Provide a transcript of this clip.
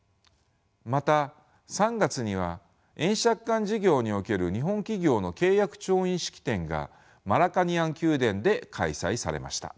また３月には円借款事業における日本企業の契約調印式典がマラカニアン宮殿で開催されました。